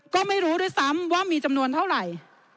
ก็ไม่รู้ด้วยซ้ำว่ามีจำนวนเท่าไหร่